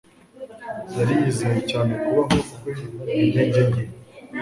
yari yizeye cyane kubaho kwe intege nke